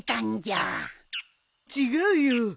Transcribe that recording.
違うよ。